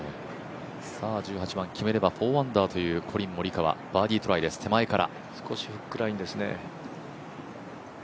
１８番、決めれば４アンダーというコリン・モリカワバーディートライです、手前から。